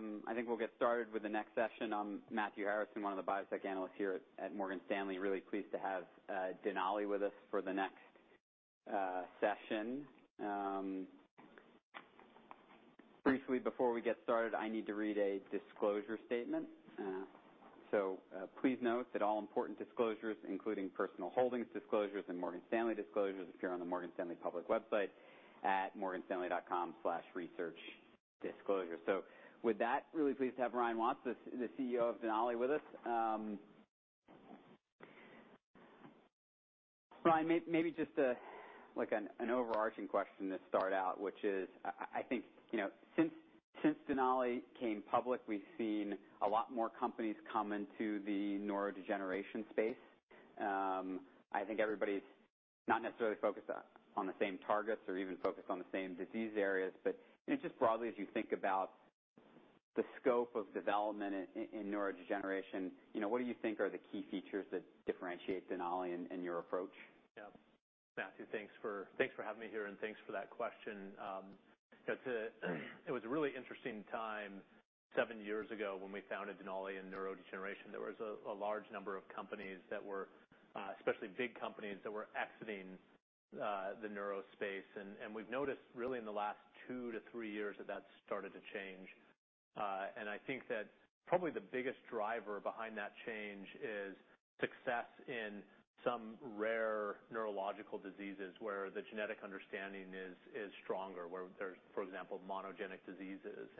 Great. I think we'll get started with the next session. I'm Matthew Harrison, one of the biotech analysts here at Morgan Stanley. Really pleased to have Denali with us for the next session. Briefly before we get started, I need to read a disclosure statement. Please note that all important disclosures, including personal holdings disclosures and Morgan Stanley disclosures, appear on the Morgan Stanley public website at morganstanley.com/researchdisclosures. With that, really pleased to have Ryan Watts, the CEO of Denali with us. Ryan, maybe just like, an overarching question to start out, which is I think, since Denali came public, we've seen a lot more companies come into the neurodegeneration space. I think everybody's not necessarily focused on the same targets or even focused on the same disease areas, but just broadly, as you think about the scope of development in neurodegeneration, what do you think are the key features that differentiate Denali and your approach? Matthew, thanks for having me here, and thanks for that question. 'Cause it was a really interesting time 7 years ago when we founded Denali in neurodegeneration. There was a large number of companies that were especially big companies that were exiting the neuro space. We've noticed really in the last 2 to 3 years that that's started to change. I think that probably the biggest driver behind that change is success in some rare neurological diseases where the genetic understanding is stronger, where there's for example monogenic diseases.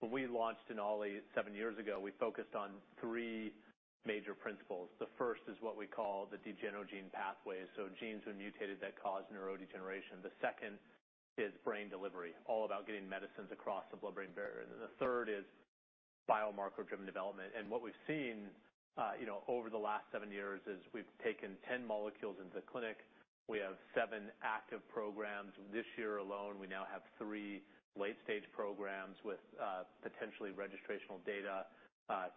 When we launched Denali 7 years ago, we focused on 3 major principles. The first is what we call the neurodegeneration pathways, genes when mutated that cause neurodegeneration. The second is brain delivery, all about getting medicines across the blood-brain barrier. The third is biomarker-driven development. What we've seen, over the last seven years is we've taken 10 molecules into the clinic. We have 7 active programs. This year alone, we now have 3 late-stage programs with potentially registrational data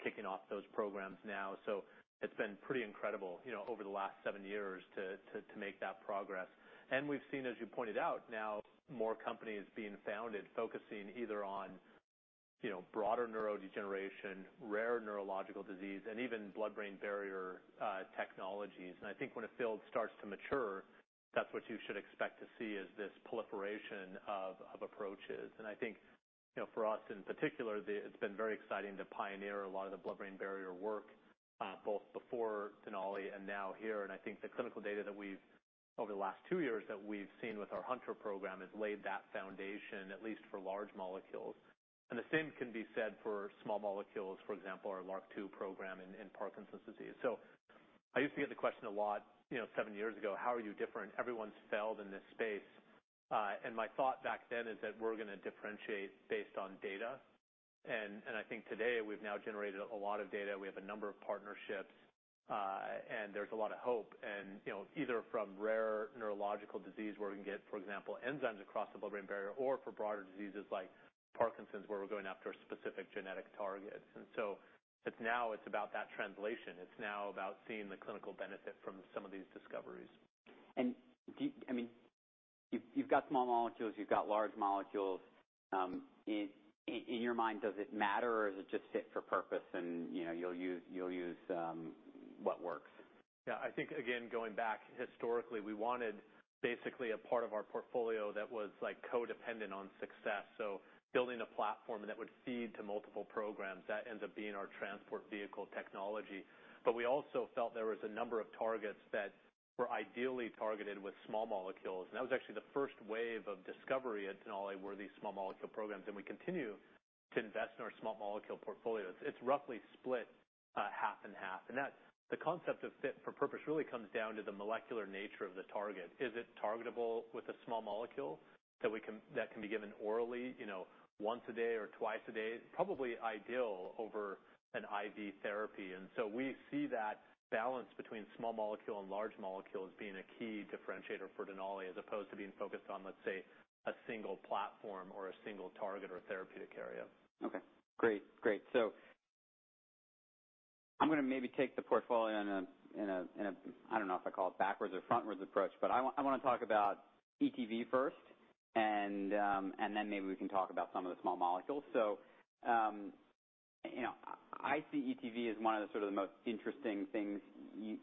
kicking off those programs now. It's been pretty incredible, over the last seven years to make that progress. We've seen, as you pointed out, now more companies being founded focusing either on, broader neurodegeneration, rare neurological disease, and even blood-brain barrier technologies. I think when a field starts to mature, that's what you should expect to see is this proliferation of approaches. I think, for us in particular, it's been very exciting to pioneer a lot of the blood-brain barrier work both before Denali and now here. I think the clinical data that we've seen over the last two years with our Hunter program has laid that foundation, at least for large molecules. The same can be said for small molecules, for example, our LRRK2 program in Parkinson's disease. I used to get the question a lot, seven years ago, "How are you different? Everyone's failed in this space." My thought back then is that we're gonna differentiate based on data. I think today we've now generated a lot of data. We have a number of partnerships, and there's a lot of hope and, either from rare neurological disease where we can get, for example, enzymes across the blood-brain barrier or for broader diseases like Parkinson's, where we're going after a specific genetic target. It's now about that translation. It's now about seeing the clinical benefit from some of these discoveries. I mean, you've got small molecules. You've got large molecules. In your mind, does it matter, or is it just fit for purpose and, you'll use what works? I think, again, going back historically, we wanted basically a part of our portfolio that was, like, codependent on success, building a platform that would feed to multiple programs. That ends up being our Transport Vehicle technology. But we also felt there was a number of targets that were ideally targeted with small molecules, and that was actually the first wave of discovery at Denali were these small molecule programs, and we continue to invest in our small molecule portfolio. It's roughly split half and half. That's the concept of fit for purpose really comes down to the molecular nature of the target. Is it targetable with a small molecule that can be given orally, once a day or twice a day, probably ideal over an IV therapy. We see that balance between small molecule and large molecule as being a key differentiator for Denali as opposed to being focused on, let's say, a single platform or a single target or therapeutic area. Okay. Great, great. I'm gonna maybe take the portfolio in a I don't know if I call it backwards or frontwards approach, but I wanna talk about ETV first and then maybe we can talk about some of the small molecules. I see ETV as one of the sort of the most interesting things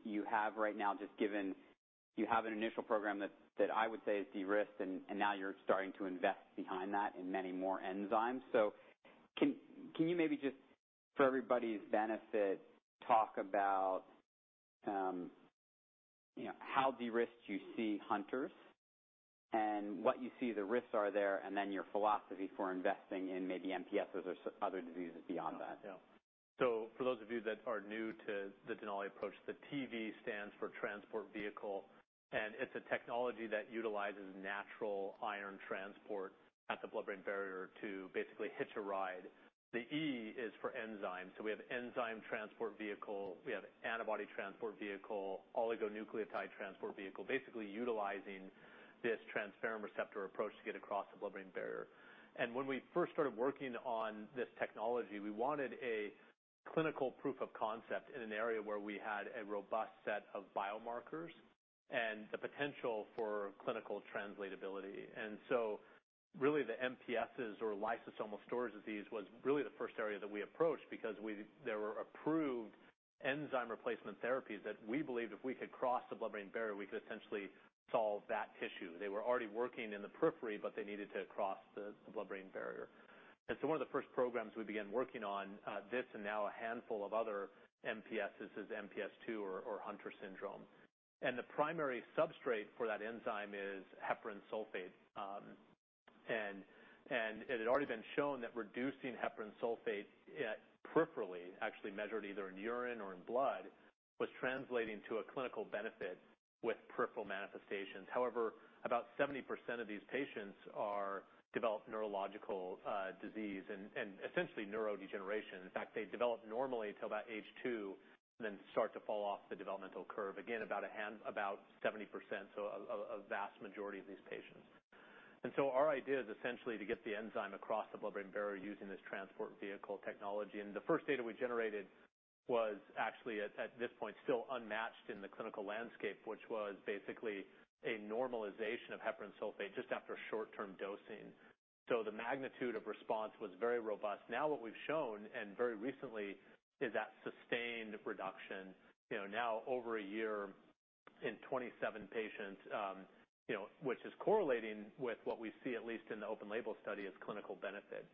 you have right now, just given you have an initial program that I would say is de-risked, and now you're starting to invest behind that in many more enzymes. Can you maybe just for everybody's benefit talk about how de-risked you see Hunter's and what you see the risks are there and then your philosophy for investing in maybe MPSs or other diseases beyond that? For those of you that are new to the Denali approach, the TV stands for transport vehicle, and it's a technology that utilizes natural iron transport at the blood-brain barrier to basically hitch a ride. The E is for enzyme, we have enzyme transport vehicle. We have antibody transport vehicle, oligonucleotide transport vehicle, basically utilizing this transferrin receptor approach to get across the blood-brain barrier. When we first started working on this technology, we wanted a clinical proof of concept in an area where we had a robust set of biomarkers. The potential for clinical translatability. Really the MPSs or lysosomal storage disease was really the first area that we approached because we, there were approved enzyme replacement therapies that we believed if we could cross the blood-brain barrier, we could essentially solve that tissue. They were already working in the periphery, but they needed to cross the blood-brain barrier. One of the first programs we began working on, this and now a handful of other MPSs is MPS II or Hunter syndrome. The primary substrate for that enzyme is heparan sulfate. It had already been shown that reducing heparan sulfate peripherally, actually measured either in urine or in blood, was translating to a clinical benefit with peripheral manifestations. However, about 70% of these patients develop neurological disease and essentially neurodegeneration. In fact, they develop normally till about age 2 and then start to fall off the developmental curve. Again, about 70%, a vast majority of these patients. Our idea is essentially to get the enzyme across the blood-brain barrier using this transport vehicle technology. The first data we generated was actually at this point, still unmatched in the clinical landscape, which was basically a normalization of heparan sulfate just after short-term dosing. The magnitude of response was very robust. Now what we've shown, and very recently, is that sustained reduction, now over a year in 27 patients, which is correlating with what we see, at least in the open label study, as clinical benefit.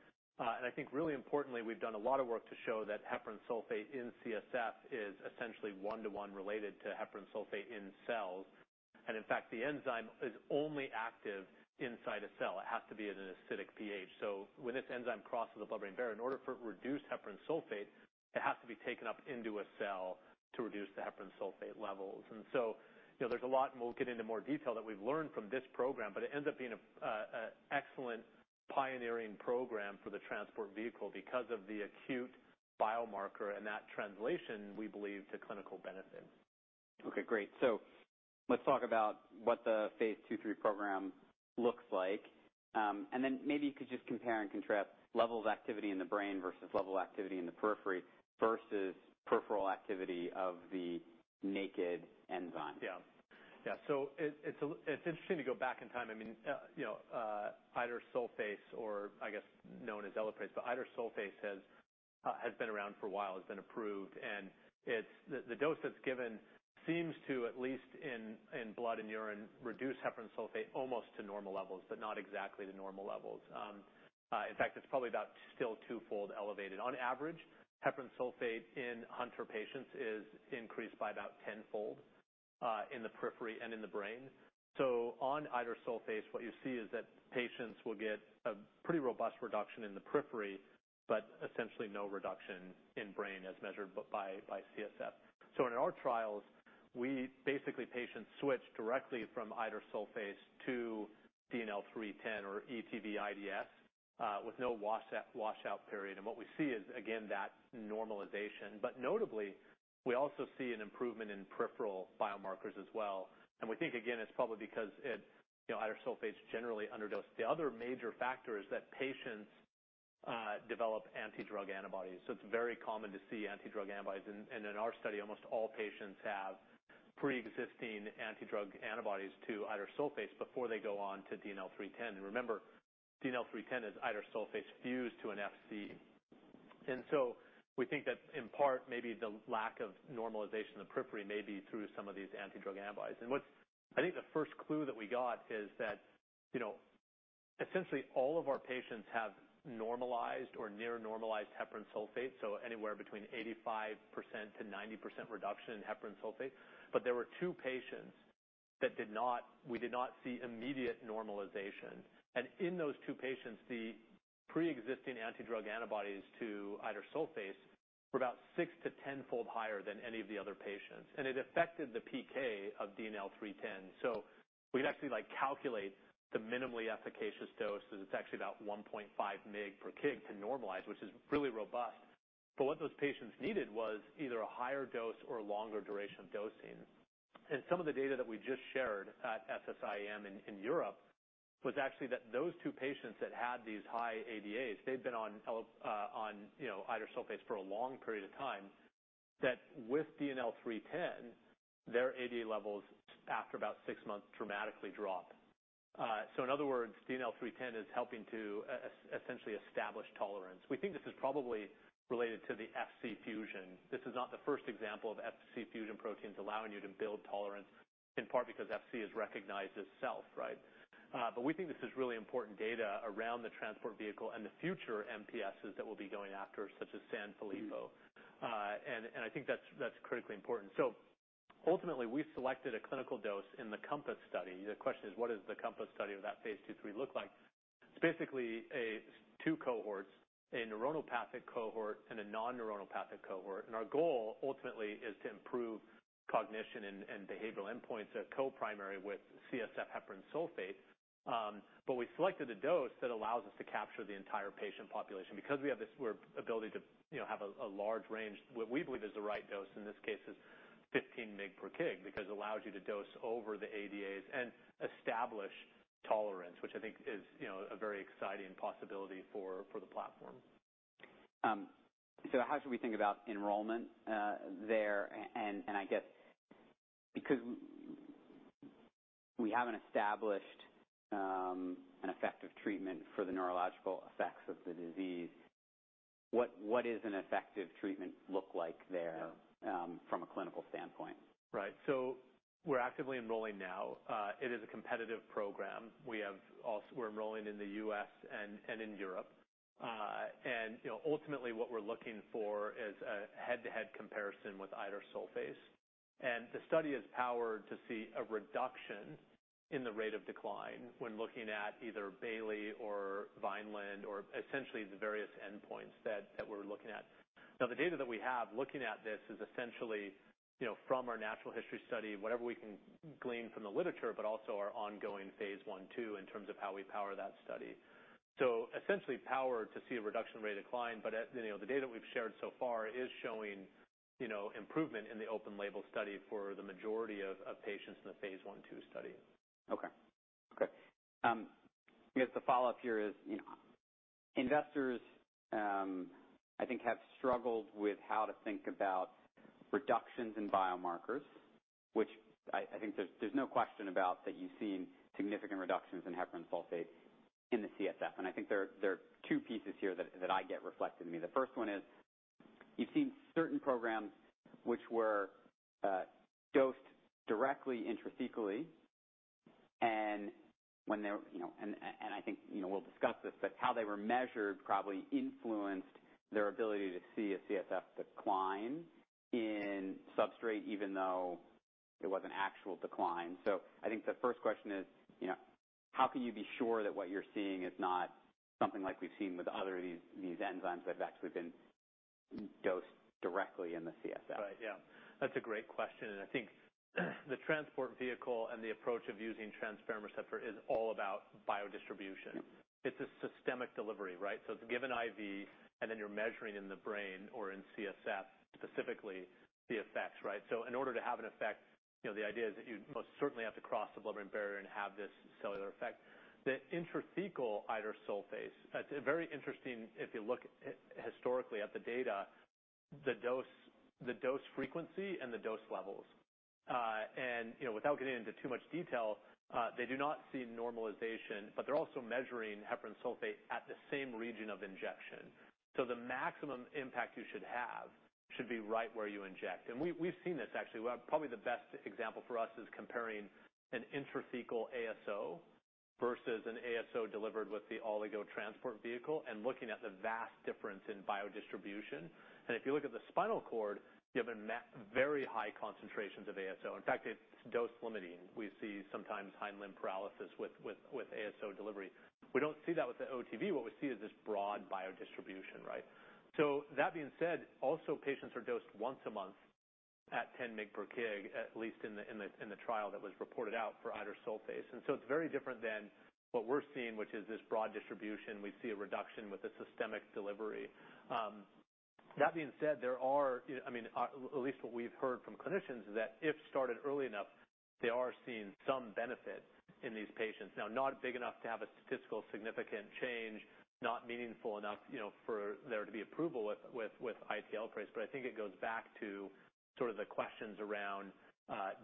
I think really importantly, we've done a lot of work to show that heparan sulfate in CSF is essentially one-to-one related to heparan sulfate in cells. In fact, the enzyme is only active inside a cell. It has to be at an acidic pH. When this enzyme crosses the blood-brain barrier, in order for it to reduce heparan sulfate, it has to be taken up into a cell to reduce the heparan sulfate levels. There's a lot, and we'll get into more detail that we've learned from this program, but it ends up being a excellent pioneering program for the Transport Vehicle because of the acute biomarker and that translation, we believe, to clinical benefit. Okay, great. Let's talk about what the phase II/III program looks like. Maybe you could just compare and contrast level of activity in the brain versus level of activity in the periphery versus peripheral activity of the naked enzyme. It's interesting to go back in time. I mean, idursulfase or I guess known as Elaprase, but idursulfase has been around for a while, has been approved. It's. The dose that's given seems to at least in blood and urine reduce heparan sulfate almost to normal levels, but not exactly to normal levels. In fact, it's probably about still twofold elevated. On average, heparan sulfate in Hunter patients is increased by about tenfold in the periphery and in the brain. On idursulfase, what you see is that patients will get a pretty robust reduction in the periphery, but essentially no reduction in brain as measured by CSF. In our trials, we basically patients switch directly from idursulfase to DNL310 or ETV:IDS with no washout period. What we see is, again, that normalization. Notably, we also see an improvement in peripheral biomarkers as well. We think, again, it's probably because it, idursulfase generally underdosed. The other major factor is that patients develop anti-drug antibodies. It's very common to see anti-drug antibodies. In our study, almost all patients have pre-existing anti-drug antibodies to idursulfase before they go on to DNL310. Remember, DNL310 is idursulfase fused to an FC. We think that in part, maybe the lack of normalization in the periphery may be through some of these anti-drug antibodies. What's I think the first clue that we got is that, essentially all of our patients have normalized or near normalized heparan sulfate, anywhere between 85% to 90% reduction in heparan sulfate. There were 2 patients that did not, we did not see immediate normalization. In those 2 patients, the preexisting anti-drug antibodies to idursulfase were about 6- to 10-fold higher than any of the other patients. It affected the PK of DNL310. We could actually like calculate the minimally efficacious dose, and it's actually about 1.5 mg per kg to normalize, which is really robust. What those patients needed was either a higher dose or a longer duration of dosing. Some of the data that we just shared at SSIEM in Europe was actually that those 2 patients that had these high ADAs, they'd been on, idursulfase for a long period of time, that with DNL310, their ADA levels after about 6 months dramatically drop. In other words, DNL310 is helping to essentially establish tolerance. We think this is probably related to the FC fusion. This is not the first example of FC fusion proteins allowing you to build tolerance, in part because FC is recognized as self, right? But we think this is really important data around the transport vehicle and the future MPSs that we'll be going after, such as Sanfilippo. And I think that's critically important. Ultimately, we selected a clinical dose in the COMPASS study. The question is, what does the COMPASS study or that phase II/III look like? It's basically two cohorts, a neuronopathic cohort and a non-neuronopathic cohort. Our goal ultimately is to improve cognition and behavioral endpoints that are co-primary with CSF heparan sulfate. But we selected a dose that allows us to capture the entire patient population. Because we have this, we have the ability to, have a large range, what we believe is the right dose in this case is 15 mg per kg because it allows you to dose over the ADAs and establish tolerance, which I think is, a very exciting possibility for the platform. How should we think about enrollment there? I guess because we haven't established an effective treatment for the neurological effects of the disease, what is an effective treatment look like there? From a clinical standpoint? Right. We're actively enrolling now. It is a competitive program. We're enrolling in the U.S. and in Europe. Ultimately, what we're looking for is a head-to-head comparison with idursulfase. The study is powered to see a reduction in the rate of decline when looking at either Bayley or Vineland or essentially the various endpoints that we're looking at. Now, the data that we have looking at this is essentially, from our natural history study, whatever we can glean from the literature, but also our ongoing phase 1/2 in terms of how we power that study. Essentially powered to see a reduction rate decline, but at, the data we've shared so far is showing, improvement in the open-label study for the majority of patients in the phase 1/2 study. I guess the follow-up here is, investors, I think, have struggled with how to think about reductions in biomarkers, which I think there's no question about that you've seen significant reductions in heparan sulfate in the CSF. I think there are two pieces here that I get reflected to me. The first one is you've seen certain programs which were dosed directly intrathecally, and I think, we'll discuss this, but how they were measured probably influenced their ability to see a CSF decline in substrate even though it was an actual decline. I think the first question is, how can you be sure that what you're seeing is not something like we've seen with other of these enzymes that have actually been dosed directly in the CSF? Right. That's a great question, and I think the Transport Vehicle and the approach of using transferrin receptor is all about biodistribution. It's a systemic delivery, right? It's given IV, and then you're measuring in the brain or in CSF, specifically the effects, right? In order to have an effect, the idea is that you most certainly have to cross the blood-brain barrier and have this cellular effect. The intrathecal idursulfase, that's a very interesting, if you look historically at the data, the dose frequency and the dose levels. Without getting into too much detail, they do not see normalization, but they're also measuring heparan sulfate at the same region of injection. The maximum impact you should have should be right where you inject. We've seen this actually. Well, probably the best example for us is comparing an intrathecal ASO versus an ASO delivered with the Oligonucleotide Transport Vehicle and looking at the vast difference in biodistribution. If you look at the spinal cord, you have very high concentrations of ASO. In fact, it's dose limiting. We see sometimes hindlimb paralysis with ASO delivery. We don't see that with the OTV. What we see is this broad biodistribution, right? That being said, also, patients are dosed once a month at 10 mg per kg, at least in the trial that was reported out for idursulfase. It's very different than what we're seeing, which is this broad distribution. We see a reduction with the systemic delivery. That being said, there are, I mean, at least what we've heard from clinicians is that if started early enough, they are seeing some benefit in these patients. Now, not big enough to have a statistical significant change, not meaningful enough, for there to be approval with IT Elaprase, but I think it goes back to sort of the questions around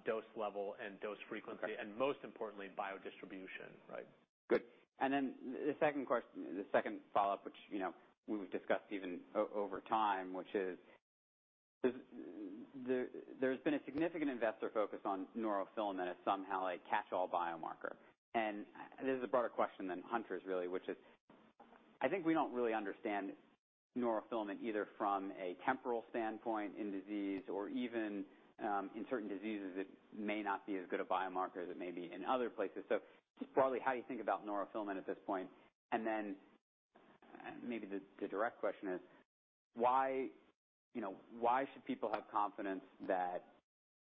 dose level and dose frequency. Most importantly, biodistribution. Right. Good. Then the second follow-up, which, we've discussed even over time, which is there's been a significant investor focus on neurofilament as somehow a catch-all biomarker. This is a broader question than Hunter's really, which is I think we don't really understand neurofilament either from a temporal standpoint in disease or even, in certain diseases, it may not be as good a biomarker as it may be in other places. Just broadly, how you think about neurofilament at this point? Then maybe the direct question is why should people have confidence that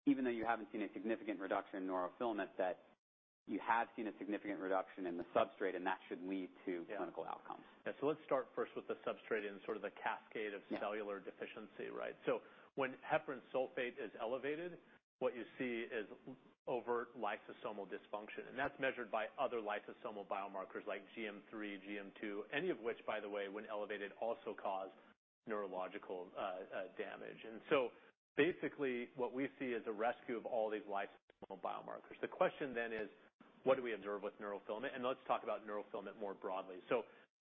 even though you haven't seen a significant reduction in neurofilament, that you have seen a significant reduction in the substrate, and that should lead to clinical outcomes? Let's start first with the substrate and sort of the cascade. Cellular deficiency, right? When heparan sulfate is elevated, what you see is overt lysosomal dysfunction, and that's measured by other lysosomal biomarkers like GM3, GM2, any of which, by the way, when elevated, also cause neurological damage. Basically, what we see is a rescue of all these lysosomal biomarkers. The question then is, what do we observe with neurofilament? Let's talk about neurofilament more broadly.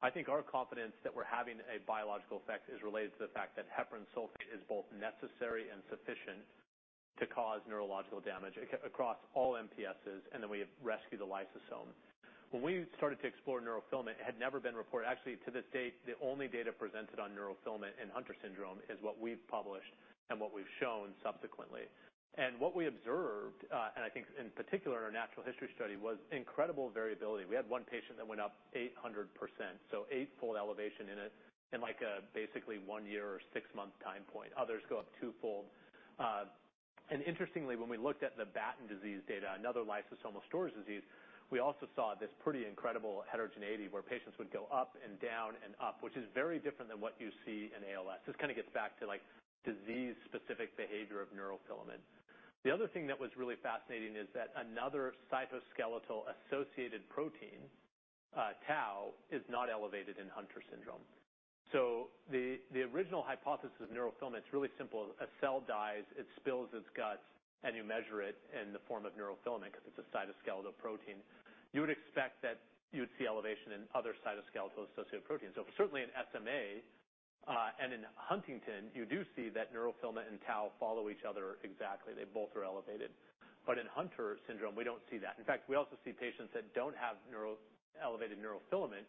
I think our confidence that we're having a biological effect is related to the fact that heparan sulfate is both necessary and sufficient to cause neurological damage across all MPSs, and then we rescue the lysosome. When we started to explore neurofilament, it had never been reported. Actually, to this date, the only data presented on neurofilament in Hunter syndrome is what we've published and what we've shown subsequently. What we observed, and I think in particular in our natural history study, was incredible variability. We had one patient that went up 800%, eight-fold elevation in basically one year or six-month time point. Others go up twofold. Interestingly, when we looked at the Batten disease data, another lysosomal storage disease, we also saw this pretty incredible heterogeneity where patients would go up and down and up, which is very different than what you see in ALS. This kind of gets back to, like, disease-specific behavior of neurofilament. The other thing that was really fascinating is that another cytoskeletal-associated protein, tau, is not elevated in Hunter syndrome. The original hypothesis of neurofilament is really simple. A cell dies, it spills its guts, and you measure it in the form of neurofilament 'cause it's a cytoskeletal protein. You would expect that you would see elevation in other cytoskeletal-associated proteins. Certainly in SMA and in Huntington, you do see that neurofilament and tau follow each other exactly. They both are elevated. In Hunter syndrome, we don't see that. In fact, we also see patients that don't have elevated neurofilament,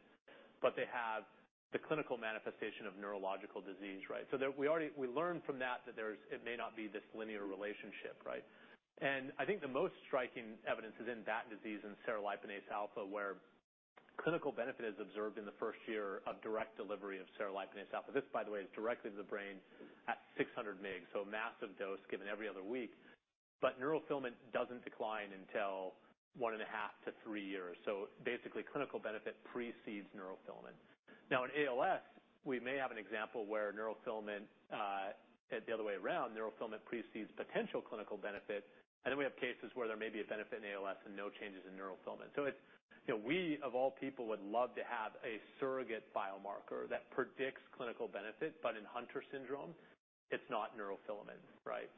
but they have the clinical manifestation of neurological disease, right? We learned from that there's it may not be this linear relationship, right? I think the most striking evidence is in Batten disease, in cerliponase alfa, where clinical benefit is observed in the first year of direct delivery of cerliponase alfa. This, by the way, is directly to the brain at 600 mg, a massive dose given every other week. Neurofilament doesn't decline until 1.5-3 years. Basically, clinical benefit precedes neurofilament. Now, in ALS, we may have an example where neurofilament, it's the other way around. Neurofilament precedes potential clinical benefit. Then we have cases where there may be a benefit in ALS and no changes in neurofilament. It's, we of all people would love to have a surrogate biomarker that predicts clinical benefit, but in Hunter syndrome it's not neurofilament, right?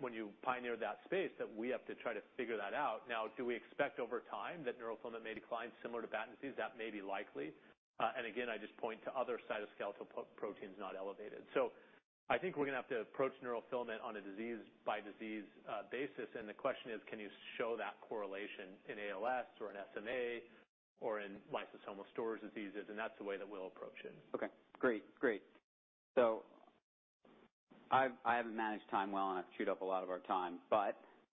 When you pioneer that space, that we have to try to figure that out. Now, do we expect over time that neurofilament may decline similar to Batten disease? That may be likely. Again, I just point to other cytoskeletal proteins not elevated. I think we're gonna have to approach neurofilament on a disease by disease basis. The question is, can you show that correlation in ALS or in SMA or in lysosomal storage diseases? That's the way that we'll approach it. Okay. Great. I haven't managed time well, and I've chewed up a lot of our time, but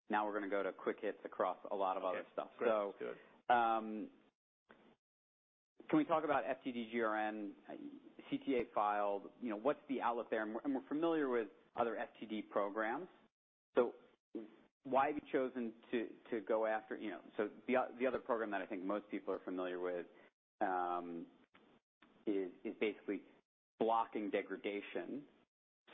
now we're gonna go to quick hits across a lot of other stuff. Okay. Great. Let's do it. Can we talk about FTD-GRN, CTA filed? what's the outlook there? We're familiar with other FTD programs. Why have you chosen to go after. The other program that I think most people are familiar with is basically blocking degradation,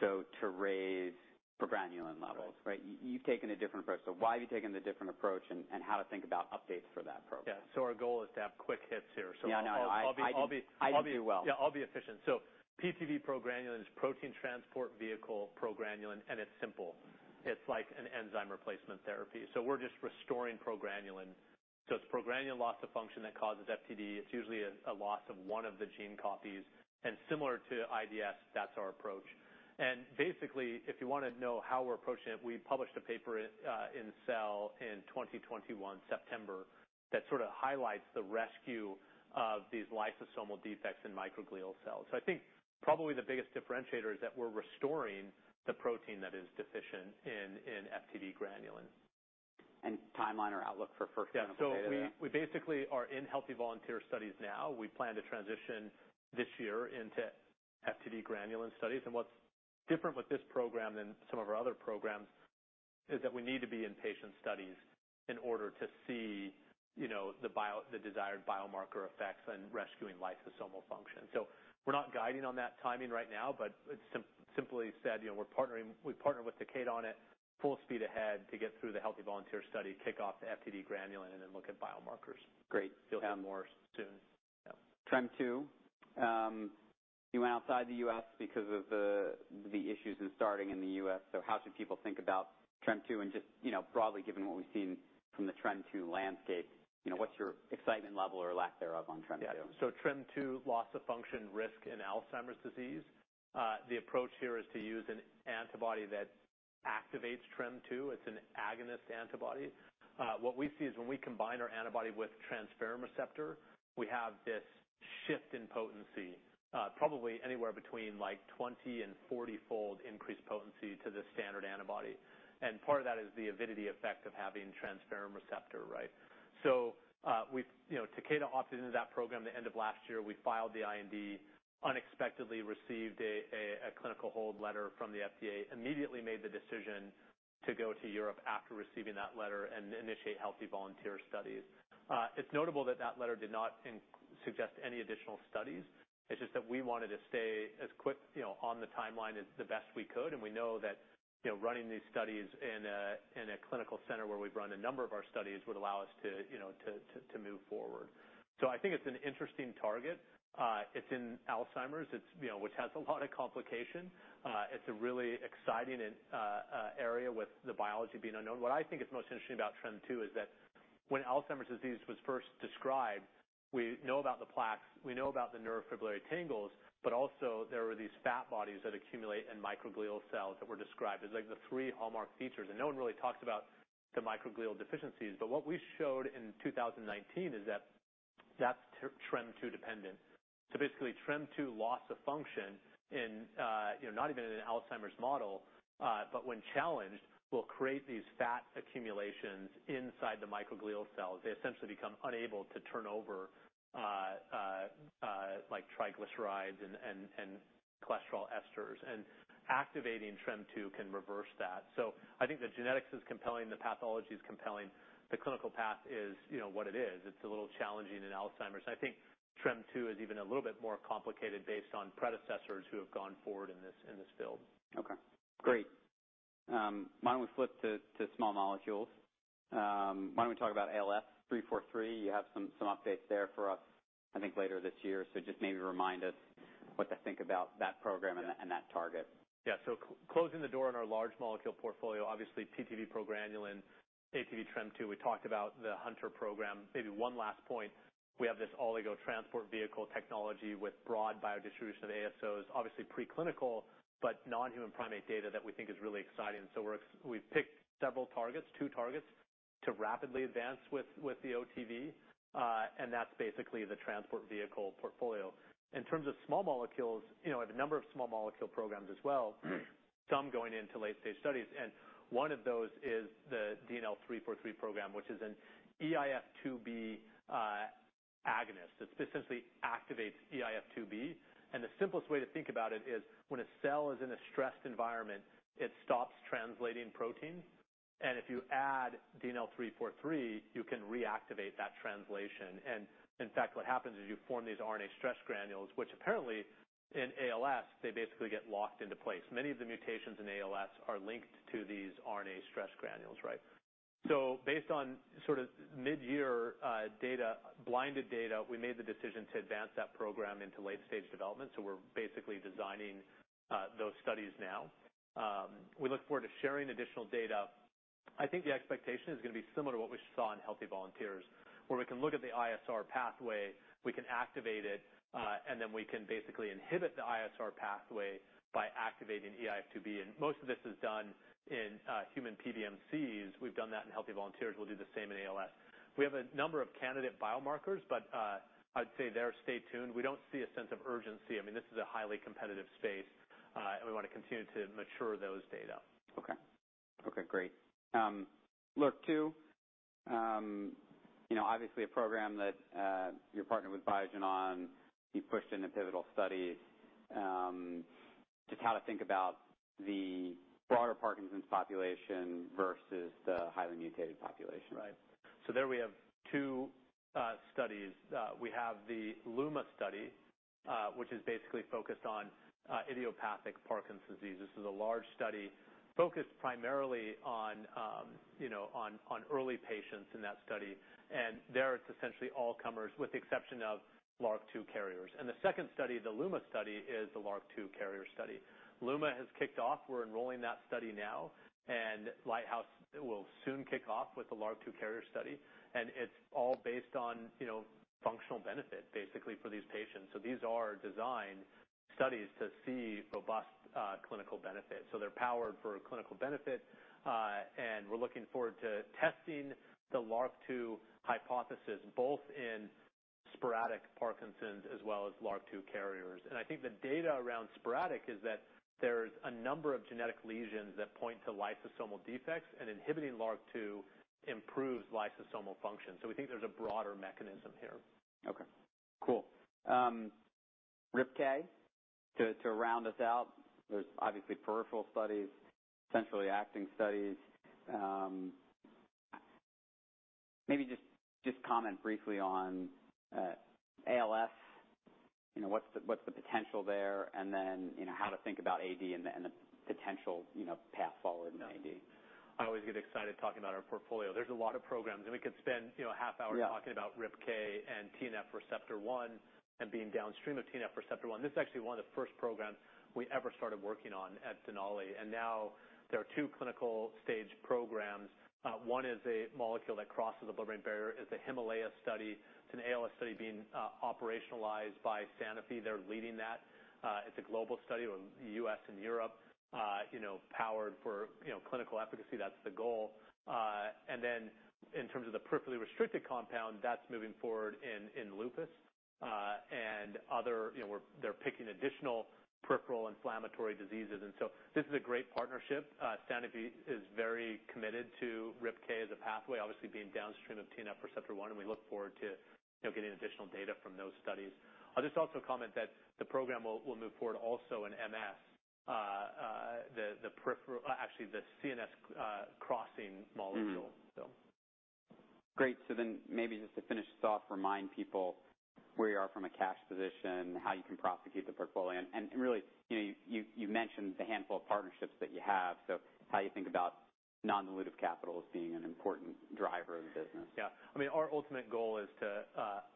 to raise progranulin levels. Right. Right? You've taken a different approach. Why have you taken the different approach, and how to think about updates for that program? Our goal is to have quick hits here. I know. I'll be. I didn't do well. I'll be efficient. PTV progranulin is protein transport vehicle progranulin, and it's simple. It's like an enzyme replacement therapy. We're just restoring progranulin. It's progranulin loss-of-function that causes FTD. It's usually a loss of one of the gene copies, and similar to IDS, that's our approach. Basically, if you wanna know how we're approaching it, we published a paper in Cell in 2021, September, that sort of highlights the rescue of these lysosomal defects in microglial cells. I think probably the biggest differentiator is that we're restoring the protein that is deficient in FTD-GRN. Timeline or outlook for first clinical data? We basically are in healthy volunteer studies now. We plan to transition this year into FTD GRN studies. What's different with this program than some of our other programs is that we need to be in patient studies in order to see, the desired biomarker effects in rescuing lysosomal function. We're not guiding on that timing right now, but it's simply said, we're partnering, we've partnered with Takeda on it full speed ahead to get through the healthy volunteer study, kick off the FTD GRN, and then look at biomarkers. Great. You'll have more soon. TREM2, you went outside the U.S. because of the issues in starting in the U.S. How should people think about TREM2 and just, broadly, given what we've seen from the TREM2 landscape? What's your excitement level or lack thereof on TREM2? TREM2 loss of function risk in Alzheimer's disease, the approach here is to use an antibody that activates TREM2. It's an agonist antibody. What we see is when we combine our antibody with transferrin receptor, we have this shift in potency, probably anywhere between, like, 20- and 40-fold increased potency to the standard antibody. And part of that is the avidity effect of having transferrin receptor, right? We've, Takeda opted into that program the end of last year. We filed the IND, unexpectedly received a clinical hold letter from the FDA, immediately made the decision to go to Europe after receiving that letter and initiate healthy volunteer studies. It's notable that that letter did not suggest any additional studies. It's just that we wanted to stay as quick on the timeline as the best we could, and we know that running these studies in a clinical center where we've run a number of our studies would allow us to move forward. I think it's an interesting target. It's in Alzheimer's, which has a lot of complication. It's a really exciting area with the biology being unknown. What I think is most interesting about TREM2 is that when Alzheimer's disease was first described, we know about the plaques, we know about the neurofibrillary tangles, but also there were these fat bodies that accumulate in microglial cells that were described as the three hallmark features, and no one really talks about the microglial deficiencies. What we showed in 2019 is that that's ATV:TREM2 dependent. Basically, TREM2 loss of function in, not even in an Alzheimer's model, but when challenged, will create these fat accumulations inside the microglial cells. They essentially become unable to turn over, like triglycerides and cholesterol esters. Activating TREM2 can reverse that. I think the genetics is compelling, the pathology is compelling. The clinical path is, what it is. It's a little challenging in Alzheimer's, and I think TREM2 is even a little bit more complicated based on predecessors who have gone forward in this field. Okay. Great. Why don't we flip to small molecules? Why don't we talk about ALS 343? You have some updates there for us, I think, later this year. Just maybe remind us what to think about that program and that target. Closing the door on our large molecule portfolio, obviously PTV progranulin, ATV:TREM2, we talked about the Hunter program. Maybe one last point, we have this oligo transport vehicle technology with broad biodistribution of ASOs, obviously preclinical, but non-human primate data that we think is really exciting. We've picked several targets, two targets to rapidly advance with the OTV, and that's basically the transport vehicle portfolio. In terms of small molecules, we have a number of small molecule programs as well, some going into late-stage studies, and one of those is the DNL343 program, which is an eIF2B agonist. It specifically activates eIF2B. The simplest way to think about it is when a cell is in a stressed environment, it stops translating protein. If you add DNL343, you can reactivate that translation. In fact, what happens is you form these RNA stress granules, which apparently in ALS, they basically get locked into place. Many of the mutations in ALS are linked to these RNA stress granules, right? Based on sort of midyear data, blinded data, we made the decision to advance that program into late stage development, we're basically designing those studies now. We look forward to sharing additional data. I think the expectation is gonna be similar to what we saw in healthy volunteers, where we can look at the ISR pathway, we can activate it, and then we can basically inhibit the ISR pathway by activating eIF2B. Most of this is done in human PBMCs. We've done that in healthy volunteers. We'll do the same in ALS. We have a number of candidate biomarkers, but I'd say there, stay tuned. We don't see a sense of urgency. I mean, this is a highly competitive space, and we wanna continue to mature those data. Okay, great. LRRK2, obviously a program that you're partnered with Biogen on, you've pushed into pivotal studies. Just how to think about the broader Parkinson's population versus the highly mutated population. Right. There we have two studies. We have the LUMA study, which is basically focused on idiopathic Parkinson's disease. This is a large study focused primarily on, on early patients in that study. There it's essentially all comers with the exception of LRRK2 carriers. The second study, the LIGHTHOUSE study, is the LRRK2 carrier study. LUMA has kicked off. We're enrolling that study now, and LIGHTHOUSE will soon kick off with the LRRK2 carrier study, and it's all based on, functional benefit basically for these patients. These are designed studies to see robust clinical benefit. They're powered for clinical benefit, and we're looking forward to testing the LRRK2 hypothesis, both in sporadic Parkinson's as well as LRRK2 carriers. I think the data around sporadic is that there's a number of genetic lesions that point to lysosomal defects and inhibiting LRRK2 improves lysosomal function. We think there's a broader mechanism here. Okay. Cool. RIPK, to round us out, there's obviously peripheral studies, centrally acting studies. Maybe just comment briefly on ALS, what's the potential there, and then, how to think about AD and the potential, path forward in AD. I always get excited talking about our portfolio. There's a lot of programs, and we could spend, a half hour. Talking about RIPK and TNF receptor 1 and being downstream of TNF receptor 1. This is actually one of the first programs we ever started working on at Denali. Now there are two clinical stage programs. One is a molecule that crosses the blood-brain barrier. It's the HIMALAYA study. It's an ALS study being operationalized by Sanofi. They're leading that. It's a global study, U.S. and Europe, powered for, clinical efficacy. That's the goal. Then in terms of the peripherally restricted compound, that's moving forward in lupus and other, they're picking additional peripheral inflammatory diseases. This is a great partnership. Sanofi is very committed to RIPK as a pathway, obviously being downstream of TNF receptor 1, and we look forward to, getting additional data from those studies. I'll just also comment that the program will move forward also in MS, actually, the CNS crossing molecule. Great. Maybe just to finish this off, remind people where you are from a cash position, how you can prosecute the portfolio. Really, you've mentioned the handful of partnerships that you have, how you think about non-dilutive capital as being an important driver of the business. I mean, our ultimate goal is to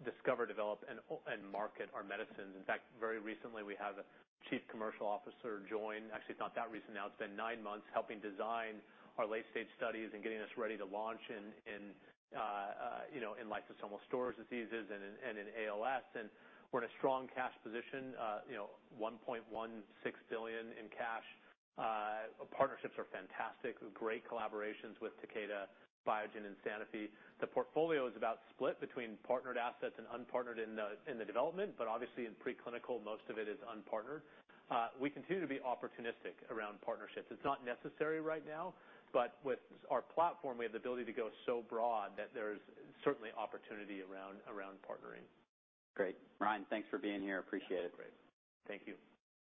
discover, develop, and market our medicines. In fact, very recently, we had a chief commercial officer join. Actually, it's not that recent now. It's been nine months, helping design our late-stage studies and getting us ready to launch in, in lysosomal storage diseases and in ALS. We're in a strong cash position, $1.16 billion in cash. Partnerships are fantastic. We have great collaborations with Takeda, Biogen, and Sanofi. The portfolio is about split between partnered assets and unpartnered in the development, but obviously in preclinical, most of it is unpartnered. We continue to be opportunistic around partnerships. It's not necessary right now, but with our platform, we have the ability to go so broad that there's certainly opportunity around partnering. Great. Ryan, thanks for being here. I appreciate it. Great. Thank you.